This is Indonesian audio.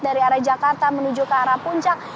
dari arah jakarta menuju ke arah puncak